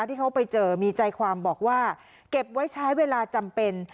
ที่เขาไปเจอมีใจความบอกว่าเก็บไว้ใช้เวลาจำเป็น